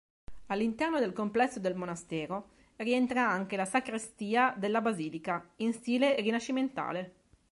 All'interno del complesso del monastero rientra anche la sacrestia della basilica, in stile rinascimentale.